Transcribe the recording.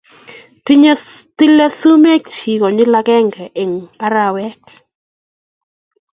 Tilei sumekchik konyil agenge eng arawet